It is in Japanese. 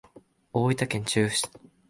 大分県中津市